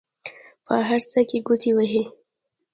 په هر څه کې ګوتې وهي.